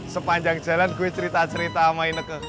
sepanjang jalan gue cerita cerita sama ineke